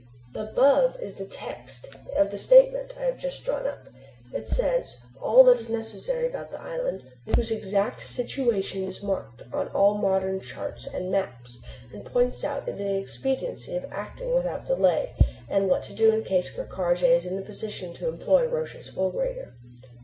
The above is the text of the statement I have just drawn up. It says all that is necessary about the island, whose exact situation is marked on all modern charts and maps, and points out the expediency of acting without delay, and what to do in case Ker Karraje is in the position to employ Roch's fulgurator.